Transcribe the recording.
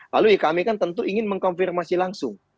lalu ya kami kan tentu ingin mengkonfirmasi langsung